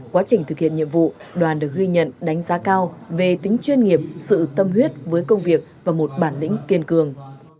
quá trình thực hiện nhiệm vụ đoàn được ghi nhận đánh giá cao về tính chuyên nghiệp sự tâm huyết với công việc và một bản lĩnh kiên cường